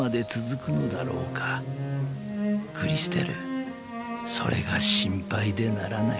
［クリステルそれが心配でならない］